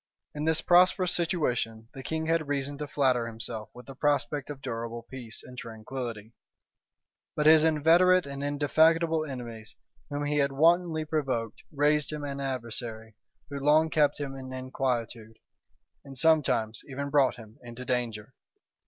In this prosperous situation, the king had reason to flatter himself with the prospect of durable peace and tranquillity; but his inveterate and indefatigable enemies, whom he had wantonly provoked, raised him an adversary, who long kept him in inquietude, and sometimes even brought him into danger.